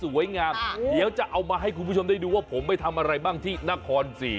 เดี๋ยวจะเอามาให้คุณผู้ชมได้ดูว่าผมไปทำอะไรบ้างที่นครศรี